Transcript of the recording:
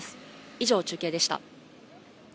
以上、中継でした。